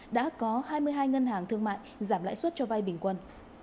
đã có hai mươi hai ngân hàng thương mại giảm lãi suất cho vay bình quân